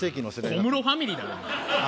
小室ファミリーだろお前。